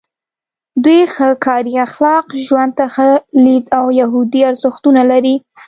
دوی ښه کاري اخلاق، ژوند ته ښه لید او یهودي ارزښتونه لري.